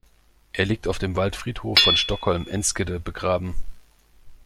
Er liegt auf dem Waldfriedhof von Stockholm-Enskede begraben.